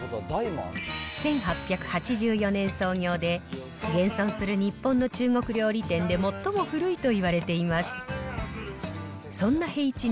１８８４年創業で、現存する日本の中国料理店で、最も古いといわれています。